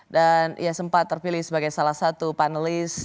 dan sempat terpilih sebagai salah satu panelis